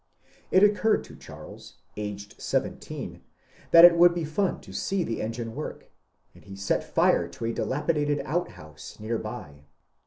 It occurred to Cbarles, aged seventeen, tbat it would be fun to see the engine work, and he set fire to a dilapidated outhouse near by.